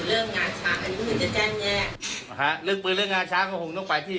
เรื่องงาช้างอันนี้เหมือนจะแจ้งแยกนะฮะเรื่องปืนเรื่องงานช้างก็คงต้องไปที่